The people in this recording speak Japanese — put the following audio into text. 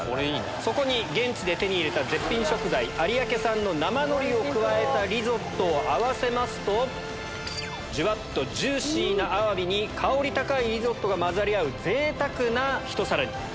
そこに現地で手に入れた絶品食材有明産の生海苔を加えたリゾットを合わせますとジュワっとジューシーなアワビに香り高いリゾットが混ざり合う贅沢なひと皿に。